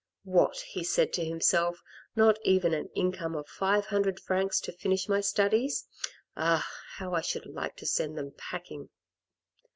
" What !" he said to himself, " not even an income of five hundred francs to finish my studies ! Ah ! how I should like to send them packing."